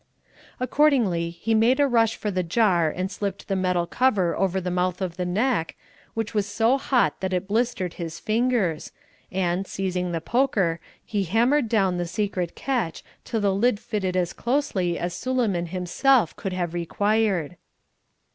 Accordingly, he made a rush for the jar and slipped the metal cover over the mouth of the neck, which was so hot that it blistered his fingers, and, seizing the poker, he hammered down the secret catch until the lid fitted as closely as Suleyman himself could have required.